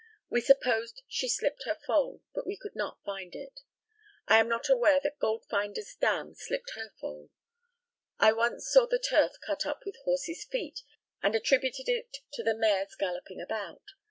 We supposed she slipped her foal, but we could not find it. I am not aware that Goldfinder's dam slipped her foal. I once saw the turf cut up with horses' feet, and attributed it to the mares galloping about.